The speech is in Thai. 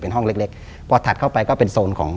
เป็นห้องเล็กเล็กพอถัดเข้าไปก็เป็นโซนของ